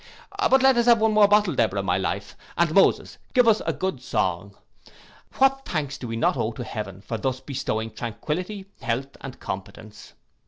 But let us have one bottle more, Deborah, my life, and Moses give us a good song. What thanks do we not owe to heaven for thus bestowing tranquillity, health, and competence.